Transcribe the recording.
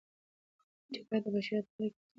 جګړه د بشریت په تاریخ کې یوه توره داغ دی.